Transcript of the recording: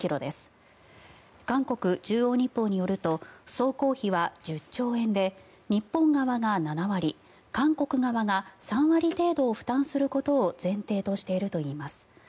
韓国中央日報によると総工費は１０兆円で日本側が７割、韓国側が３割程度を負担することを前提としているといいます。